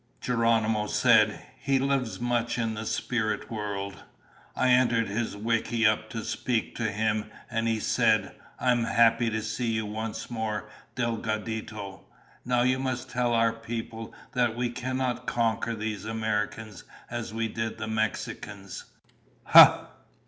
Geronimo said, "He lives much in the spirit world. I entered his wickiup to speak to him, and he said, 'I am happy to see you once more, Delgadito. Now you must tell our people that we cannot conquer these Americans as we did the Mexicans.' Ha!